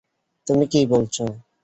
তুমি কি বলছো?